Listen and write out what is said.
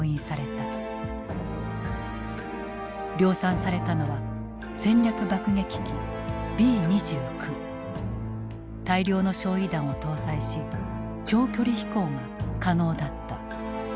量産されたのは大量の焼夷弾を搭載し長距離飛行が可能だった。